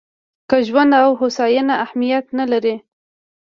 که ژوند او هوساینه اهمیت نه لري.